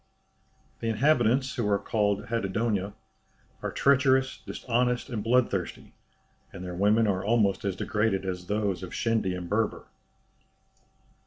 The inhabitants, who are called Hadendoa, are treacherous, dishonest, and bloodthirsty; and their women are almost as degraded as those of Shendy and Berber.